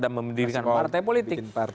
dan membedikan partai politik